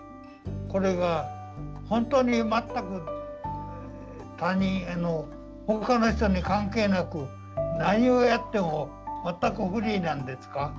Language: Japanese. これが本当に全く他人ほかの人に関係なく何をやっても全くフリーなんですか？